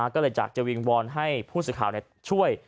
ก็เลยอยากจะวิงวอนให้ผู้สื่อข่าวช่วย